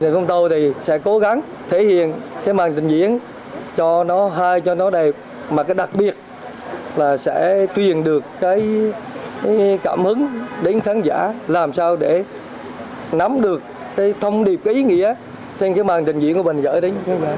chúng tôi sẽ cố gắng thể hiện cái màn trình diễn cho nó hay cho nó đẹp mà cái đặc biệt là sẽ truyền được cái cảm hứng đến khán giả làm sao để nắm được cái thông điệp cái ý nghĩa trên cái màn trình diễn của bản giới đấy